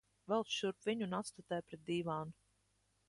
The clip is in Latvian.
Velc šurp viņu un atstutē pret dīvānu.